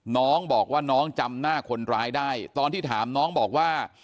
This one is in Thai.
น้องบอกว่าน้องจำหน้าคนร้ายได้ตอนที่ถามน้องบอกว่า